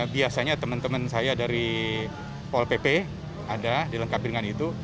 biasanya teman teman saya dari pol pp ada dilengkapi dengan itu